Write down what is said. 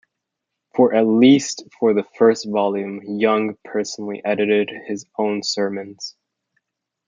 For at least for the first volume, Young personally edited his own sermons.